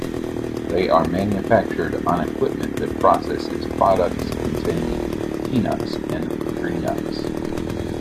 They are manufactured on equipment that processes products containing peanuts and tree nuts.